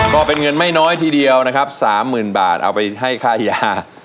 ก็เป็นเงินไม่น้อยทีเดียวนะครับ๓๐๐๐บาทเอาไปให้ค่ายา